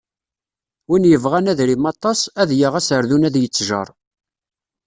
Win yebɣan adrim aṭas, ad yaɣ aserdun ad yettjeṛ.